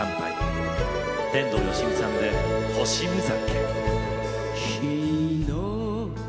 天童よしみさんで「星見酒」。